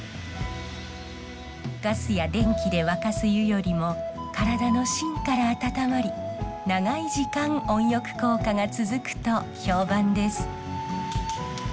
ガスや電気で沸かす湯よりも体の芯から温まり長い時間温浴効果が続くと評判です。